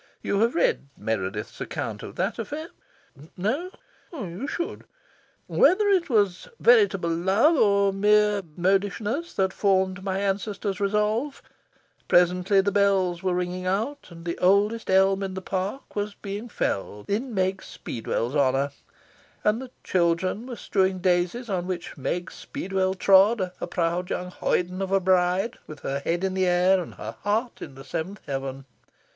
(You have read Meredith's account of that affair? No? You should.) Whether it was veritable love or mere modishness that formed my ancestor's resolve, presently the bells were ringing out, and the oldest elm in the park was being felled, in Meg Speedwell's honour, and the children were strewing daisies on which Meg Speedwell trod, a proud young hoyden of a bride, with her head in the air and her heart in the seventh heaven.